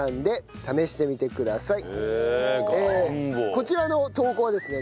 こちらの投稿はですね